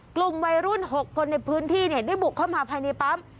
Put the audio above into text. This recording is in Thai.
กลุ่มวัยรุ่น๖คนในพื้นที่ได้บุกเข้ามาภายในปั๊ม